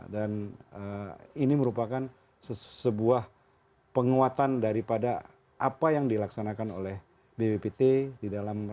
dan ini merupakan sebuah penguatan daripada apa yang dilaksanakan oleh bbbt di dalam rakyat